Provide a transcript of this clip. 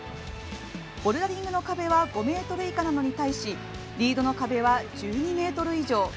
ボルダリングの壁は５ｍ以下なのに対しリードの壁は、１２ｍ以上。